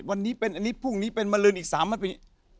วันนี้เป็นอันนี้พรุ่งนี้เป็นมารื่นอีกสามมันเป็นอย่างนี้